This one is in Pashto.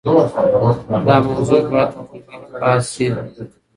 دا موضوع باید په ټولګي کي بحث سي.